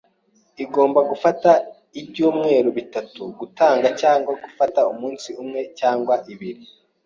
Igomba gufata ibyumweru bitatu, gutanga cyangwa gufata umunsi umwe cyangwa ibiri.